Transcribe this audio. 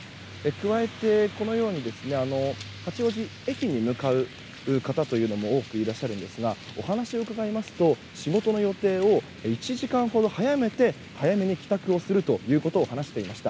加えて八王子駅に向かう方というのも多くいらっしゃるんですがお話を伺いますと仕事の予定を１時間ほど早めて早めに帰宅をするということを話していました。